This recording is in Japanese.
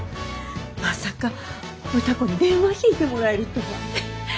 まさか歌子に電話引いてもらえるとは。